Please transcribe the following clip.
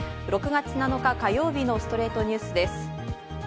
６月７日、火曜日の『ストレイトニュース』です。